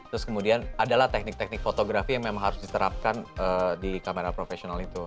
terus kemudian adalah teknik teknik fotografi yang memang harus diterapkan di kamera profesional itu